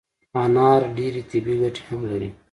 انار ډیري طبي ګټي هم لري